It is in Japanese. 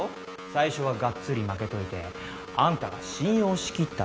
最初はがっつり負けといてあんたが信用しきったところで。